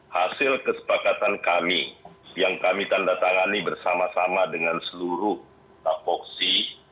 hasil kesepakatan kami yang kami tanda tangani bersama sama dengan seluruh tapoksi